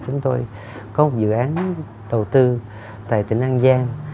chúng tôi có một dự án đầu tư tại tỉnh an giang